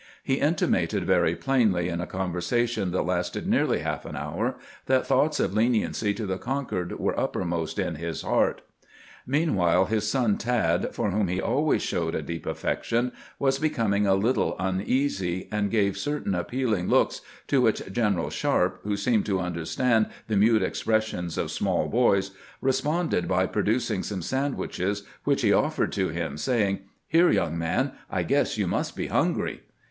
He intimated very plainly, in a conversation that lasted nearly haH an hour, that thoughts of leniency to the conquered were uppermost in his heart. Meanwhile his son Tad, for whom he always showed a deep affection, was becoming a little uneasy, and gave certain appealing looks, to which General Sharpe, who seemed to understand the mute expressions of small boys, responded by producing some sandwiches, which he offered to him, saying :" Here, young man, I guess you must be hungry."